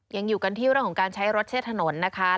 ยังอยู่กันที่เรื่องของการใช้รถเช็ดถนนนะคะ